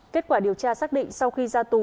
kết quả điều tra xác định sau khi ra tù